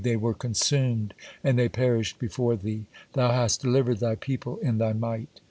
They were consumed, and they perished before Thee, Thou hast delivered Thy people in Thy might.